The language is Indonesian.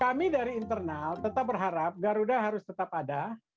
kami dari internal tetap berharap garuda harus tetap ada